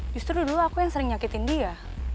justru dulu aku yang sering nyakitin dia